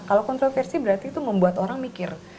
kalau kontroversi berarti itu membuat orang mikir